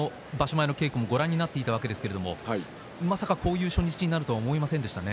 前の稽古もご覧になっていたわけですがまさかこういう初日になるとは思っていませんでしたね。